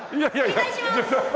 お願いします！